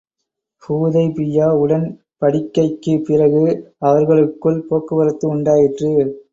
ஹூதைபிய்யா உடன்படிக்கைக்குப் பிறகு, அவர்களுக்குள் போக்குவரவு உண்டாயிற்று.